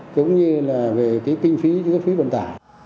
cũng như là về cái kinh phí chi phí bệnh tải